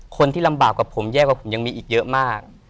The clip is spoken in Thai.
คนที่ลำบากกับผมแย่กว่าผมยังมีอีกเยอะมาก